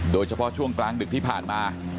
โดยเฉพาะช่วงกลางดึกที่ผ่านมา